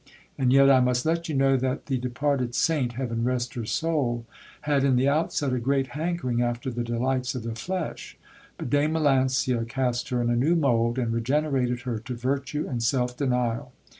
And yet I must let you know that the departed saint, heaven rest her soul ! had in the outset a great hankering after the delights of the flesh ; but Dame Melancia cast her in a new mould, and regenerated her to virtue and self denial.